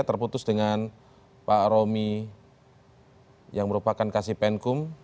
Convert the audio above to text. terputus dengan pak romi yang merupakan kasipenkum